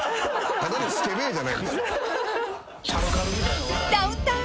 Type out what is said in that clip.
ただのスケベじゃないですか。